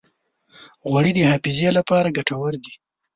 غوړې د حافظې لپاره ګټورې دي.